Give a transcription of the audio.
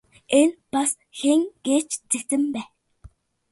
Энэ бас хэн гээч цэцэн бэ?